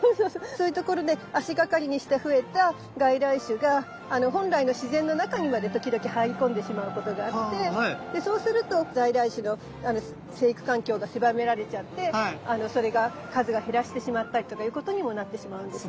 そういう所で足がかりにして増えた外来種が本来の自然の中にまで時々入り込んでしまうことがあってそうすると在来種の生育環境が狭められちゃってそれが数が減らしてしまったりとかいうことにもなってしまうんですね。